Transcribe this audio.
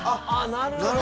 なるほど。